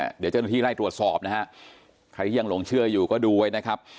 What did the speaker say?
เดี๋ยวเจ้าหน้าที่ไล่ตรวจสอบนะฮะใครที่ยังหลงเชื่ออยู่ก็ดูไว้นะครับ